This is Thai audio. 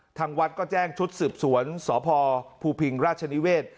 ทางวัดก็แจ้งชุดสืบสวนสพภูพิงราชนิเวศ